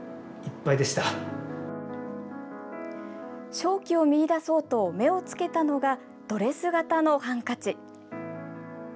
商機を見いだそうと目をつけたのがドレス型のハンカチ。